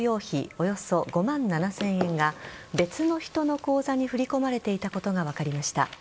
およそ５万７０００円が別の人の口座に振り込まれていたことが分かりました。